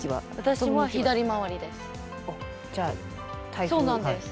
そうなんですはい。